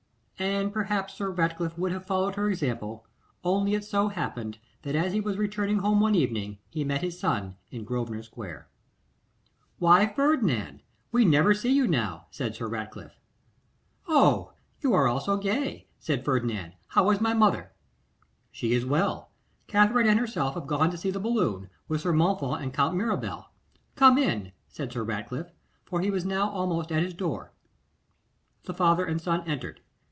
And perhaps Sir Ratcliffe would have followed her example, only it so happened that as he was returning home one morning, he met his son in Grosvenor square. 'Why, Ferdinand, we never see you now,' said Sir Ratcliffe. 'Oh! you are all so gay,' said Ferdinand. 'How is my mother?' 'She is very well. Katherine and herself have gone to see the balloon, with Lord Montfort and Count Mirabel. Come in,' said Sir Ratcliffe, for he was now almost at his door. The father and son entered.